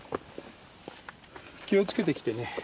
気を付けて来てね。